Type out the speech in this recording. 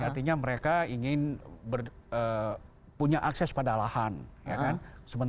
artinya mereka ingin punya akses pada lahan